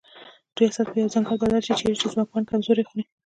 ریاست په یو ځنګل بدل سي چیري چي ځواکمن کمزوري خوري